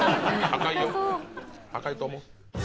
高いと思う。